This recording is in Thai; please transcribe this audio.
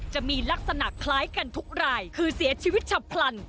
จะมีลักษณะคล้ายกันทุกรายคือเสียชีวิตฉับพลัน